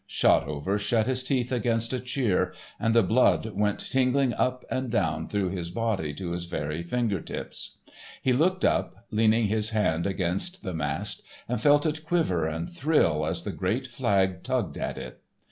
Shotover shut his teeth against a cheer, and the blood went tingling up and down through his body to his very finger tips. He looked up, leaning his hand against the mast, and felt it quiver and thrill as the great flag tugged at it.